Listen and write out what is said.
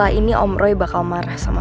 rasanya menit putih lagi sih